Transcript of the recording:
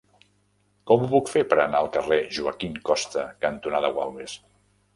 Com ho puc fer per anar al carrer Joaquín Costa cantonada Gualbes?